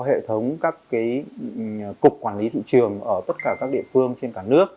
hệ thống các cục quản lý thị trường ở tất cả các địa phương trên cả nước